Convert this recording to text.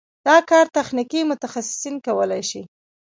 دا کار تخنیکي متخصصین کولی شي.